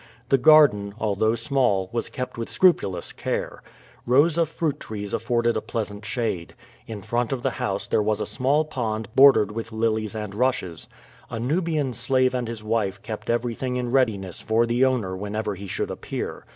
The garden, although small, was kept with scrupulous care. Rows of fruit trees afforded a pleasant shade. In front of the house there was a small pond bordered with lilies and rushes. A Nubian slave and his wife kept everything in readiness for the owner whenever he should appear.